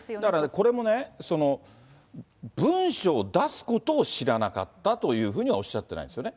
これもね、文書を出すことを知らなかったというふうにはおっしゃってないんですよね。